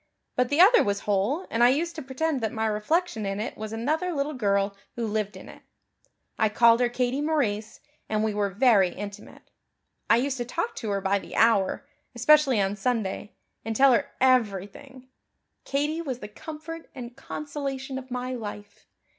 But the other was whole and I used to pretend that my reflection in it was another little girl who lived in it. I called her Katie Maurice, and we were very intimate. I used to talk to her by the hour, especially on Sunday, and tell her everything. Katie was the comfort and consolation of my life.